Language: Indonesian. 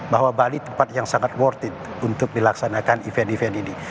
bahwa bali tempat yang sangat worth it untuk dilaksanakan event event ini